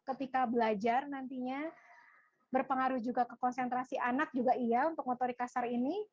ketika belajar nantinya berpengaruh juga ke konsentrasi anak juga iya untuk motorik kasar ini